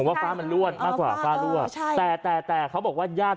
ผมว่าฟ้ามันรวดมากกว่าฟ้ารั่วแต่แต่แต่เขาบอกว่ายาก